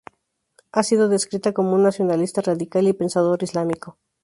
Ha sido descrito como un "nacionalista radical y pensador islámico".